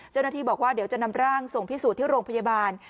เจ้าหน้าที่บอกว่าเดี๋ยวจะนำร่างส่งพิสูจน์ที่โรงพยาบาล